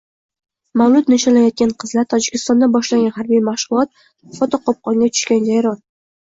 Mavlud nishonlayotgan qizlar, Tojikistonda boshlangan harbiy mashg‘ulot, fotoqopqonga tushgan jayron